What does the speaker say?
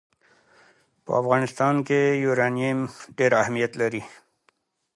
په افغانستان کې یورانیم ډېر اهمیت لري.